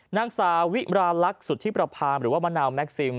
นางสาวิราลักษณ์สุธิประพามหรือว่ามะนาวแม็กซิม